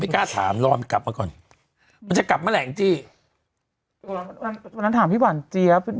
ไม่กล้าถามรอมันกลับมาก่อนมันจะกลับมาแหละอีกทีตอนนั้นถามพี่หวันเจี๊ยบ